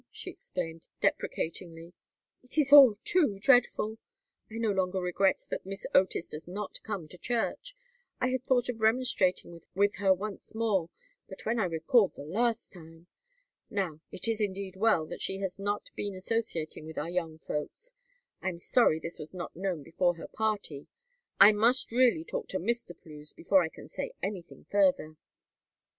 she exclaimed, deprecatingly. "It is all too dreadful! I no longer regret that Miss Otis does not come to church. I had thought of remonstrating with her once more but when I recalled the last time! Now, it is indeed well that she has not been associating with our young folks. I am sorry this was not known before her party; I must really talk to Mr. Plews before I can say anything further."